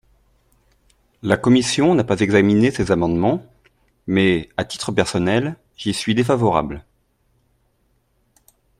La commission n’a pas examiné ces amendements mais, à titre personnel, j’y suis défavorable.